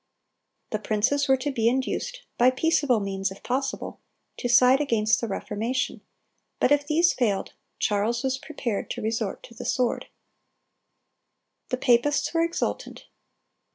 The princes were to be induced, by peaceable means if possible, to side against the Reformation; but if these failed, Charles was prepared to resort to the sword. The papists were exultant.